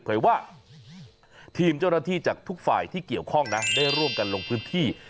เผยว่าทีมเจ้าหน้าที่จากทุกฝ่ายที่เกี่ยวข้องนะได้ร่วมกันลงพื้นที่